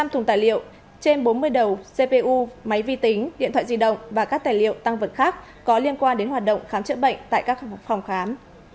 năm thùng tài liệu trên bốn mươi đầu cpu máy vi tính điện thoại di động và các tài liệu tăng vật khác có liên quan đến hoạt động khám chữa bệnh tại các phòng khám